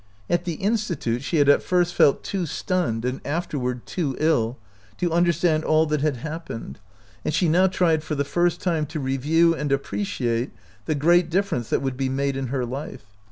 At the Institute she had at first felt too stunned, and afterward too ill, to understand all that had happened, and she now tried for the first time to review and appreciate the great difference that would be made in her life.